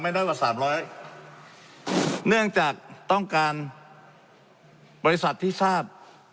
น้อยกว่าสามร้อยเนื่องจากต้องการบริษัทที่ทราบ